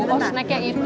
oh snacknya itu